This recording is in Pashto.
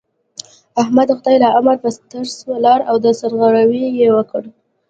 احمد د خدای له امره په ترڅ ولاړ او سرغړاوی يې وکړ.